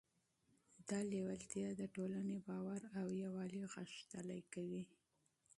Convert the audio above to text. دا لیوالتیا د ټولنې باور او یووالی غښتلی کوي.